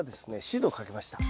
シートをかけました。